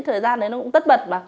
thời gian đấy nó cũng tất bật